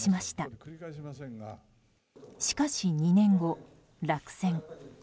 しかし２年後、落選。